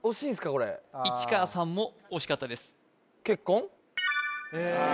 これ市川さんも惜しかったですうわ